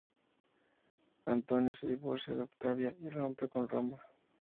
Antonio se divorcia de Octavia y rompe con Roma.